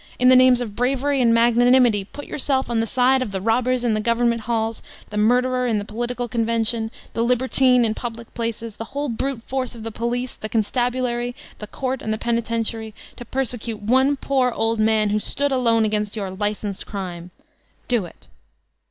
In the name of Bravery and Magnanimity put yourself on the side of the tQhbtr in the government halls, the murderer in the 358 VOLTAIRINE DE ClEYSE political convention, the libertine in public places, the whole brute force of the police, the constabulary, the court, and the penitentiary, to persecute one poor old man who stood alone against your licensed crime! Do it.